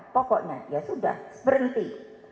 pokoknya ya sudah berhenti